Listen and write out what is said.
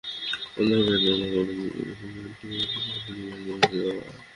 কোথাও বেড়াতে গেলে বড়জোর স্বদেশিয় বন্ধু অথবা আত্মীয়ের বাড়িতে বেড়াতে যাওয়া হয়।